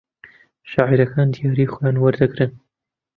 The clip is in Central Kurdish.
شاعیرەکان دیاریی خۆیان وەردەگرن